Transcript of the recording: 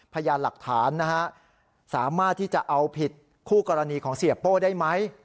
พยานหลักฐานนะฮะสามารถที่จะเอาผิดคู่กรณีของเสียโป้ได้ไหม